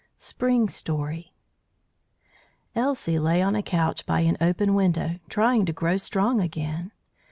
SPRING STORY Elsie lay on a couch by an open window, trying to grow strong again.